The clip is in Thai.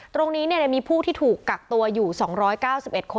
ตรงนี้มีผู้ที่ถูกกักตัวอยู่๒๙๑คน